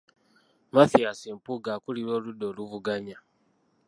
Mathias Mpuuga akulira oludda oluvuganya.